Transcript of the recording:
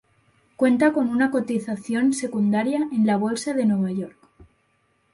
Cuenta con una cotización secundaria en la Bolsa de Nueva York.